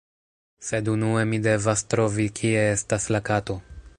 Sed unue mi devas trovi kie estas la kato